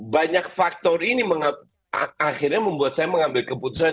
banyak faktor ini akhirnya membuat saya mengambil keputusan